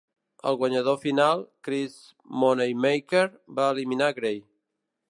El guanyador final, Chris Moneymaker, va eliminar Grey.